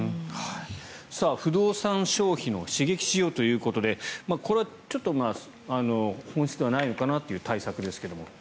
不動産消費を刺激しようということでこれはちょっと本質ではないのかなという対策ですが。